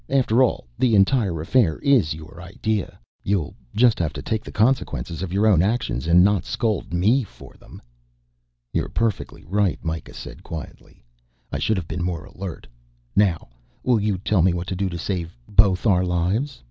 After all, this entire affair is your idea. You'll just have to take the consequences of your own actions and not scold me for them." "You're perfectly right," Mikah said quietly. "I should have been more alert. Now will you tell me what to do to save both our lives.